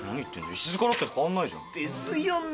石塚だって変わんないじゃん。ですよね。